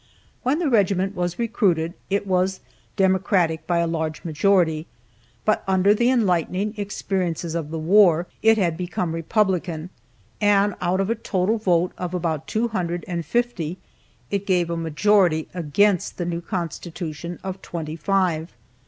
When the regiment was recruited it was Democratic by a large majority, but under the enlightening experiences of the war it had become Republican, and out of a total vote of about two hundred and fifty, it gave a majority against the new constitution of twenty five.